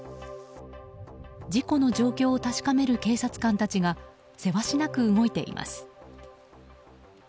事故の状況を確かめる警察官たちがせわしなく動いています。